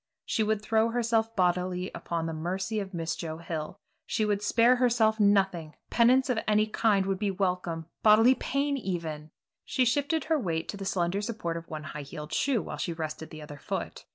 She would throw herself bodily upon the mercy of Miss Joe Hill, she would spare herself nothing; penance of any kind would be welcome, bodily pain even She shifted her weight to the slender support of one high heeled shoe while she rested the other foot.